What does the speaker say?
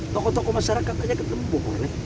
tokoh tokoh masyarakat aja ketemu